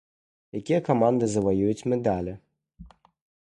Якія каманды заваююць медалі?